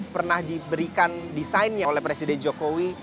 pernah diberikan desainnya oleh presiden jokowi